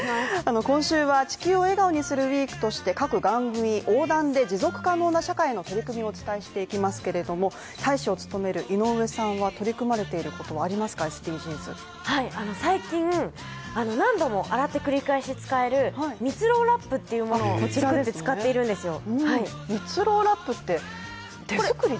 今週は「地球を笑顔にするＷＥＥＫ」として各番組が横断で持続可能な社会への取り組みをお伝えしていきますけれども、大使を務める井上さんは取り組まれていることはありますか最近何度も洗って繰り返し使える蜜ろうラップっていうものをこちらで使っているんですよ。